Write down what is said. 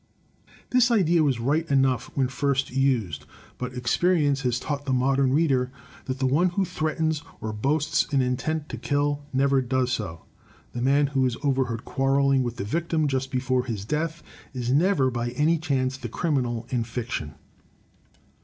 This idea was right enough when first used; but experience has taught the modern reader that the one who threatens, or boasts an intent to kill never does so. The man who is over heard quarrelling with the victim just before his death is never by any chance the criminal in Fiction.